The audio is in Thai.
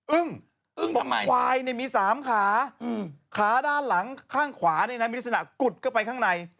อึ้งควายเนี่ยมี๓ขาขาด้านหลังข้างขวาเนี่ยมีลักษณะกุดเข้าไปข้างใน